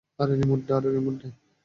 আরে রিমোট দে।